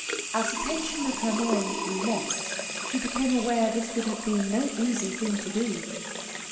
As the tension of her mind grew less, she became aware this would have been no easy thing to do.